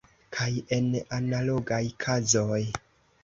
Kaj en analogaj kazoj.